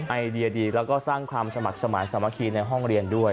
ไอเดียดีแล้วก็สร้างความสมัครสมาธิสามัคคีในห้องเรียนด้วย